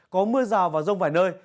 có mưa rào và rông vài nơi